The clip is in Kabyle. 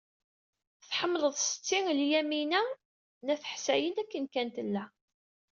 Tḥemmleḍ Setti Lyamina n At Ḥsayen akken kan tella.